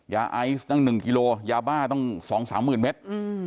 ยาไอซ์ตั้ง๑กิโลยาบ้าต้อง๒๓๐๐๐เมตร